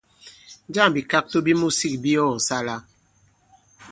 Njâŋ bìkakto bi musik bi ɔ kɔ̀sala ?